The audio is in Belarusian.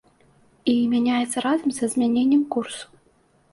І мяняецца разам са змяненнем курсу.